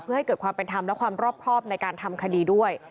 เพื่อให้เกิดความเป็นธรรมและความรอบครอบในการทำคดีด้วย